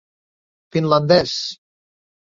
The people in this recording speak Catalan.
Finlandès: